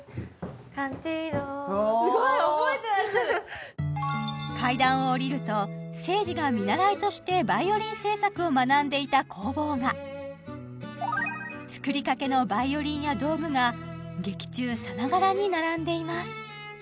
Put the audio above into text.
すごい覚えてらっしゃる階段を下りると聖司が見習いとしてバイオリン製作を学んでいた工房が作りかけのバイオリンや道具が劇中さながらに並んでいます